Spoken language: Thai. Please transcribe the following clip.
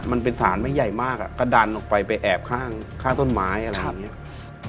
มันเป็นสารไม่ใหญ่มากอ่ะก็ดันออกไปไปแอบข้างต้นไม้อะไรอย่างนี้